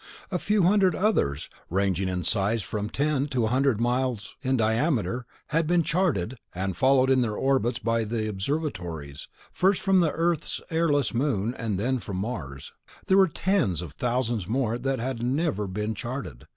A few hundred others, ranging in size from ten to a hundred miles in diameter, had been charted and followed in their orbits by the observatories, first from Earth's airless Moon, then from Mars. There were tens of thousands more that had never been charted.